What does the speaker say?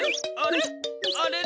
あれ？